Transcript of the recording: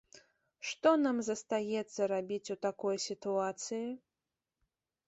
Што нам застаецца рабіць у такой сітуацыі?